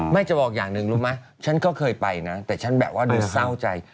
ไม่จะบอกอย่างหนึ่งรู้ไหมฉันก็เคยไปนะแต่ฉันแบบว่าดูเศร้าใจ